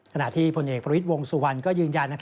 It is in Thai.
ขณะที่พลเอกประวิทย์วงสุวรรณก็ยืนยัน